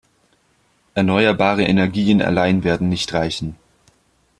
Erneuerbare Energien allein werden nicht reichen.